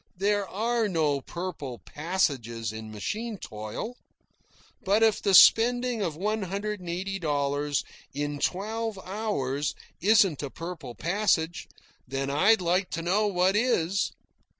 There are no purple passages in machine toil. But if the spending of one hundred and eighty dollars in twelve hours isn't a purple passage, then I'd like to know what is.